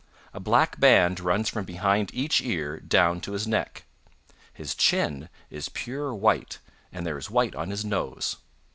A black band runs from behind each ear down to his neck. His chin is pure white and there is white on his nose.